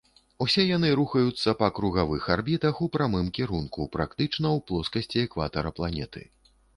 Усе яны рухаюцца па кругавых арбітах у прамым кірунку практычна ў плоскасці экватара планеты.